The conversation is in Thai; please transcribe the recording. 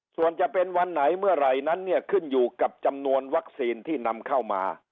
ส่วนจะเป็นวันไหนเมื่อไหร่นั้นเนี่ยขึ้นอยู่กับจำนวนวัคซีนที่นำเข้ามา